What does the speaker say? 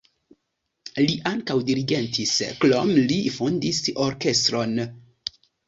Li ankaŭ dirigentis, krome li fondis orkestron.